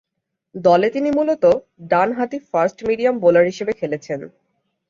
দলে তিনি মূলতঃ ডানহাতি ফাস্ট-মিডিয়াম বোলার হিসেবে খেলেছেন।